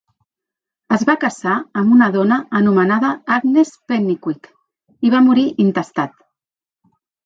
Es va casar amb una dona anomenada Agnes Pennycuick i va morir intestat.